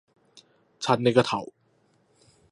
襯你個頭